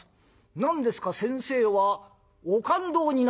何ですか先生はお勘当になったそうで」。